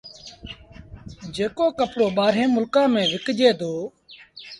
جيڪو ڪپڙو ٻآهريٚݩ ملڪآݩ ميݩ وڪجي دو